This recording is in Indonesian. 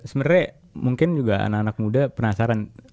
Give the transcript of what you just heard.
sebenarnya mungkin juga anak anak muda penasaran